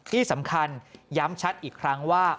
ที่สำคัญย้ำชัดอีกครั้งว่า